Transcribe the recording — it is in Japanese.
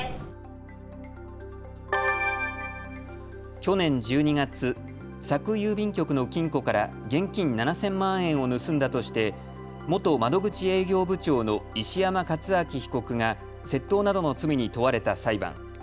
去年１２月、佐久郵便局の金庫から現金７０００万円を盗んだとして元窓口営業部長の石山勝明被告が窃盗などの罪に問われた裁判。